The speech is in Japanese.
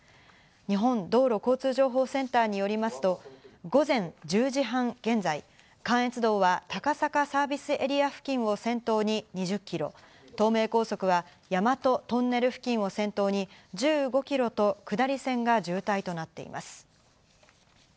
日本道路交通情報センターによりますと、午前１０時半現在、関越道は高坂サービスエリア付近を先頭に２０キロ、東名高速が大和トンネル付近を先頭に１５キロと下り線が渋滞となっています。